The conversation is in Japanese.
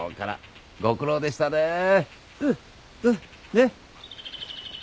ねっ。